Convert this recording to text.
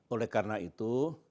oleh karena itu